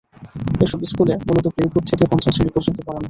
এসব স্কুলে মূলত প্লে গ্রুপ থেকে পঞ্চম শ্রেণি পর্যন্ত পড়ানো হয়।